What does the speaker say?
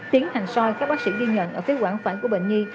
tiến hành xoay các bác sĩ ghi nhận ở phía quảng phải của bệnh nhi